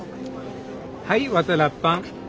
はいワタラッパン。